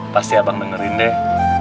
pasti abang dengerin deh